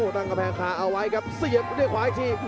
ตั้งกำแพงคาเอาไว้ครับเสียบด้วยขวาอีกที